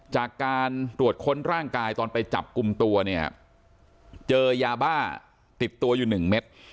จากการตรวจค้นร่างกายตอนไปจับกลุ่มตัวเนี่ยเจอยาบ้าติดตัวอยู่๑เม็ด